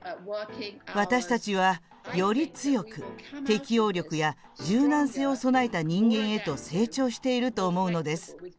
私たちは、より強く、適応力や柔軟性を備えた人間へと成長していると思うのです。